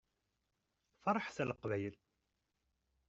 Ferḥet a Leqbayel!